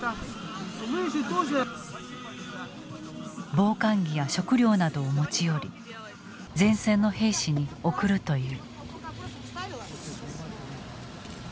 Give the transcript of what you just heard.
防寒着や食料などを持ち寄り前線の兵士に送るという。